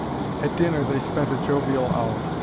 At dinner they spent a jovial hour.